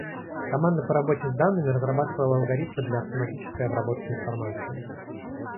Команда по работе с данными разрабатывала алгоритмы для автоматической обработки информации.